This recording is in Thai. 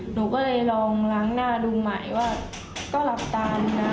หนูก็เลยลองล้างหน้าดูใหม่ว่าก็หลับตานะ